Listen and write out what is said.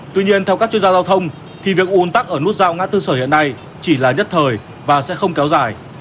tuy nhiên theo các chuyên gia giao thông thì việc ồn tắc ở nút giao ngã tư sở hiện nay chỉ là nhất thời và sẽ không kéo dài